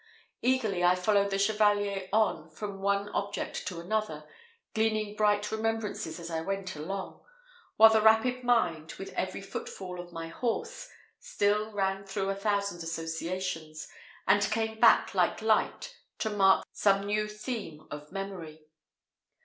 Eagerly I followed the chevalier on, from one object to another, gleaning bright remembrances as I went along; while the rapid mind, with every footfall of my horse, still ran through a thousand associations, and came back like light to mark some new theme of memory.